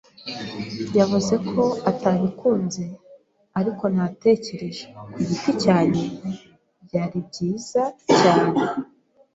Yavuze ko atabikunze, ariko natekereje, ku giti cyanjye, byari byiza cyane.